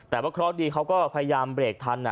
แต่ว่าเคราะห์ดีเขาก็พยายามเบรกทัน